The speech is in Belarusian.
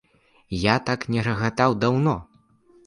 Я так не рагатаў даўно!